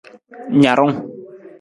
Narung.